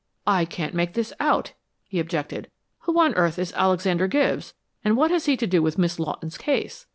"I can't make this out," he objected. "Who on earth is Alexander Gibbs, and what has he to do with Miss Lawton's case?